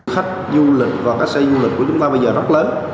khách du lịch và các xe du lịch của chúng ta bây giờ rất lớn